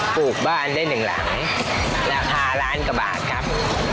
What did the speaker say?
ปลูกบ้านได้หนึ่งหลังราคาล้านกว่าบาทครับ